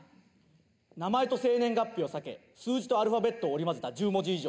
名前と生年月日を避け数字とアルファベットを織り交ぜた１０文字以上。